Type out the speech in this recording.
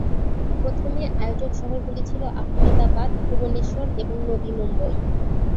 প্রথমে, আয়োজক শহরগুলি ছিল আহমেদাবাদ, ভুবনেশ্বর এবং নবি মুম্বই।